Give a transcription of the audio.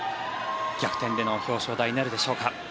逆転での表彰台なるでしょうか。